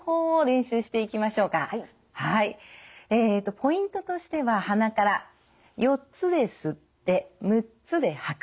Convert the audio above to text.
ポイントとしては鼻から４つで吸って６つで吐く。